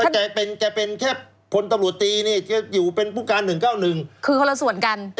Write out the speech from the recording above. แกเป็นแกเป็นแค่พลตำรวจตีนี่แกอยู่เป็นผู้การ๑๙๑คือคนละส่วนกัน